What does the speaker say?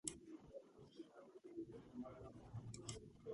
შეინიშნება მოკლევადიანი გაზაფხულისა და შემოდგომის წვიმები.